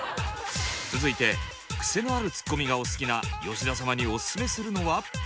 続いてクセのあるツッコミがお好きな吉田様にオススメするのは。